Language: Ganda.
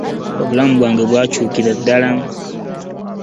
Obulamu bwange bwakyuukira ddala .